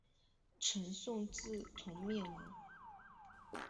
陈朝自从灭亡。